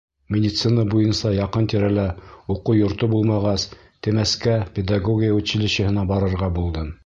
Медицина буйынса яҡын-тирәлә уҡыу йорто булмағас, Темәскә, педагогия училищеһына барырға булдым.